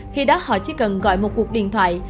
khi đó họ chỉ cần gọi một cuộc điện thoại